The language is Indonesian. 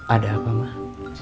ada apa mah